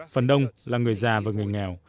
phần đông là người già và người nghèo